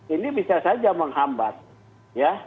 ini bisa saja menghambat ya